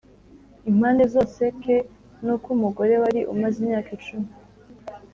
Impande zose k nuko umugore wari umaze imyaka cumi